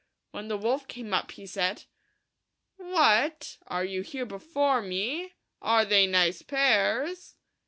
When the wolf came up he said, "What ! are you here before me ? are they nice pears?"